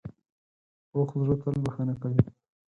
پوخ زړه تل بښنه کوي